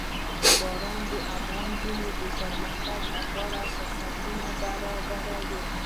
باران د افغان نجونو د پرمختګ لپاره فرصتونه برابروي.